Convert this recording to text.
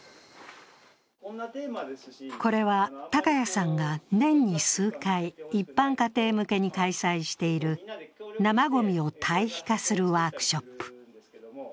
これは高谷さんが年に数回、一般家庭向けに開催している生ごみを堆肥化するワークショップ。